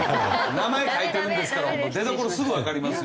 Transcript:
名前書いてるんですから出どころすぐわかりますよ。